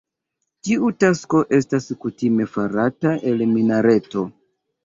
Tiu tasko estas kutime farata el minareto.